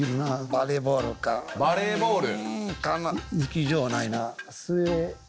バレーボール。